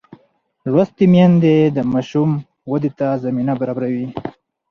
لوستې میندې د ماشوم ودې ته زمینه برابروي.